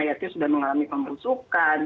mayatnya sudah mengalami pembusukan